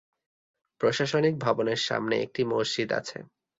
প্রশাসনিক ভবনের সামনে একটি মসজিদ আছে।